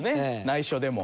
内緒でも。